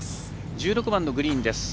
１６番のグリーンです。